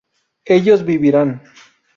¿ellos vivirán?